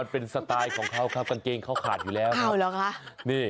มันเป็นสไตล์ของเขาครับกางเกงเขาขาดอยู่แล้วครับ